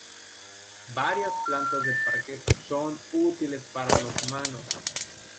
Varias plantas del parque son útiles para los humanos.